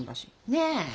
ねえ。